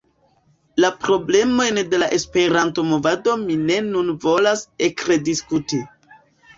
La problemojn de la Esperanto-movado mi ne nun volas ekrediskuti.